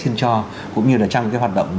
xin cho cũng như là trong cái hoạt động